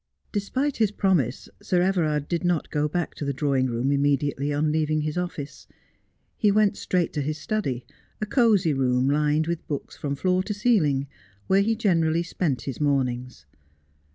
Despite his promise, Sir Everard did not go back to the drawing room immediately on leaving his office. He went straight to his study, a cosy room lined with books from floor to ceiling, where he generally spent his mornings.